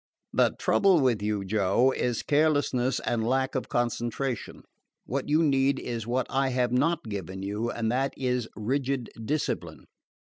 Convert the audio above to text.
"The trouble with you, Joe, is carelessness and lack of concentration. What you need is what I have not given you, and that is rigid discipline.